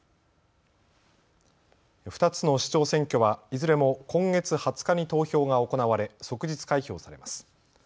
２つの市長選挙はいずれも今月２０日に投票が行われ即日開票されます。